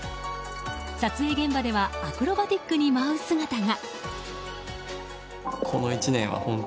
撮影現場ではアクロバティックに舞う姿が。